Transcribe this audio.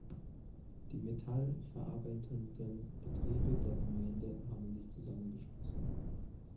Die Metall verarbeitenden Betriebe der Gemeinde haben sich zusammengeschlossen.